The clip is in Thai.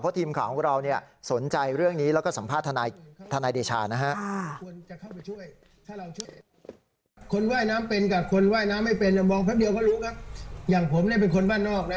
เพราะทีมข่าวของเราสนใจเรื่องนี้แล้วก็สัมภาษณ์ทนายเดชานะครับ